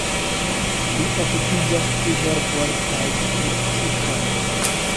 Li okupiĝas pri herboj kaj tritikoj.